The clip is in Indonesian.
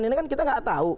ini kan kita gak tahu